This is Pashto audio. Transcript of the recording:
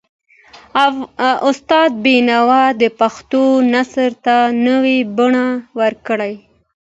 استاد بینوا د پښتو نثر ته نوي بڼه ورکړه.